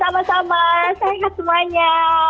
sama sama sayangkan semuanya